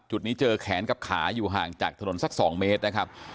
จุดนี้เจอแขนกับขาอยู่ห่างจากถนนสัก๒เมตรนะครับ